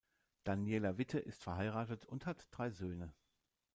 Daniela Witte ist verheiratet und hat drei Söhne.